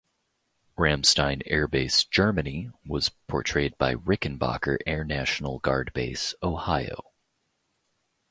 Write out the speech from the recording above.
Ramstein Air Base, Germany was portrayed by Rickenbacker Air National Guard Base, Ohio.